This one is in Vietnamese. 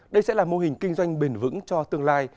đây sẽ là mô hình kinh doanh bền vững cho tương lai